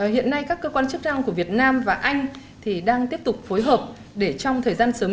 hiện nay các cơ quan chức năng của việt nam và anh đang tiếp tục phối hợp để trong thời gian sớm